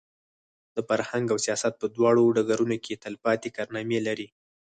د فرهنګ او سیاست په دواړو ډګرونو کې تلپاتې کارنامې لري.